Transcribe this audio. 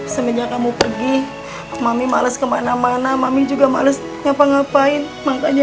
semenjak kamu pergi mami males kemana mana mami juga males ngapa ngapain makanya